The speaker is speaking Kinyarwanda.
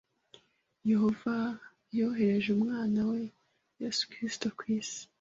Yehova yohereje Umwana we Yesu Kristo ku isi